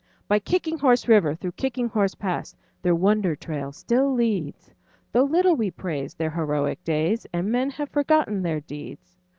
By Kicking Horse River, through Kicking Horse Pass, Their wonder trail still leads, Though little we praise their heroic days And men have forgotten their deeds.